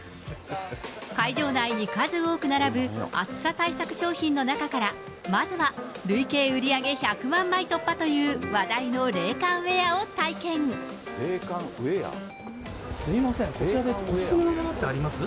会場内に数多く並ぶ暑さ対策商品の中から、まずは累計売り上げ１００万枚突破という、すみません、こちらでお勧めのものってあります？